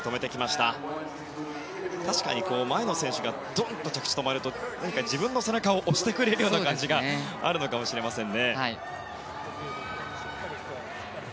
確かに、前の選手がドンと着地が止まると何か自分の背中を押してくれるような感じがあるのかもしれません。